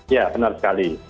ya benar sekali